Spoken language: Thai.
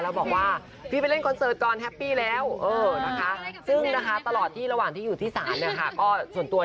แล้วไปเล่นคอนเสร็ทที่ลมกูค่ะ